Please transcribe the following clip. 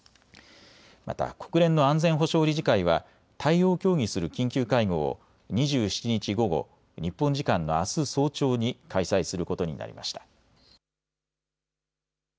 また国連の安全保障理事会は対応を協議する緊急会合を２７日午後、日本時間のあす早朝に開催することになりました。